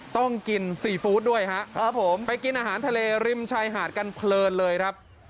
ต้องกินซีฟู้ดด้วยครับผมไปกินอาหารทะเลริมชายหาดกันเพลินเลยครับ